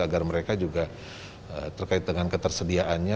agar mereka juga terkait dengan ketersediaannya